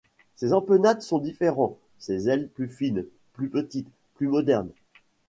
Ses empennages sont différents, ses ailes plus fines, plus petites, plus modernes.